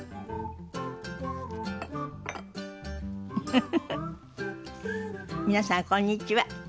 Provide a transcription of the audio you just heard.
フフフフ皆さんこんにちは。